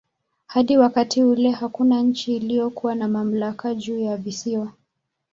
Hadi wakati ule hakuna nchi iliyokuwa na mamlaka juu ya visiwa.